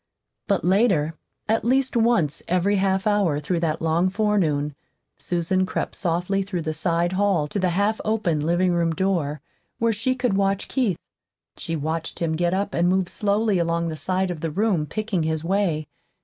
But later, at least once every half hour through that long forenoon, Susan crept softly through the side hall to the half open living room door, where she could watch Keith. She watched him get up and move slowly along the side of the room, picking his way.